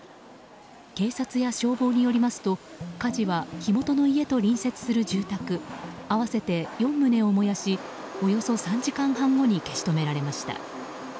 警察や消防によりますと、火事は火元の家と隣接する住宅合わせて４棟を燃やしおよそ３時間半後に消し止められました。